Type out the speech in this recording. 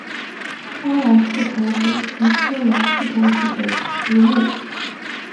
砂蓝刺头为菊科蓝刺头属的植物。